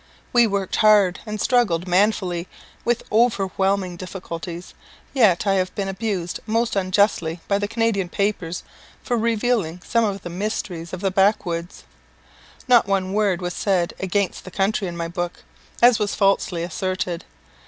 We worked hard and struggled manfully with overwhelming difficulties, yet I have been abused most unjustly by the Canadian papers for revealing some of the mysteries of the Backwoods. Not one word was said against the country in my book, as was falsely asserted.